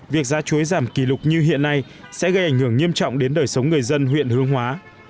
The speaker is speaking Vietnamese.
việc giá chuối giảm kỷ lục như hiện nay sẽ gây ảnh hưởng nghiêm trọng đến đời sống người dân huyện hướng hóa